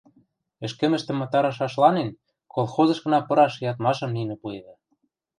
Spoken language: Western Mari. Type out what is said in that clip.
Ӹшкӹмӹштӹм ытарышашланен, колхозышкына пыраш ядмашым нинӹ пуэвӹ.